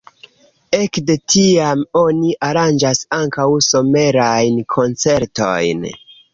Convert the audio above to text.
Ekde tiam oni aranĝas ankaŭ somerajn koncertojn.